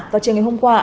vào chiều ngày hôm qua